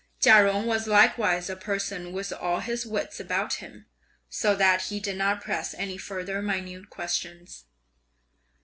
Chia Jung was likewise a person with all his wits about him, so that he did not press any further minute questions.